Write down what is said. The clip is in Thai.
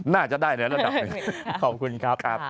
น่าจะได้เลยขอบคุณครับ